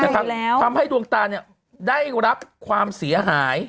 ทำให้ดวงตาได้รับความเสียหาย